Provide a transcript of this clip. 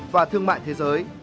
và thương mại thế giới